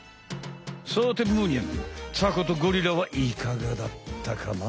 さてむーにゃんタコとゴリラはいかがだったかな？